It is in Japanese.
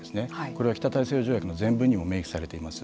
これは北大西洋条約の前文にも明記されています。